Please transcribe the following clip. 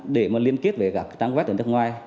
để mà liên kết với các trang web ở nước ngoài